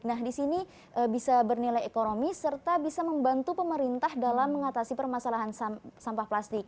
nah di sini bisa bernilai ekonomi serta bisa membantu pemerintah dalam mengatasi permasalahan sampah plastik